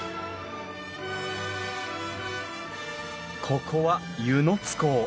ここは温泉津港。